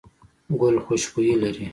ګل خوشبويي لري.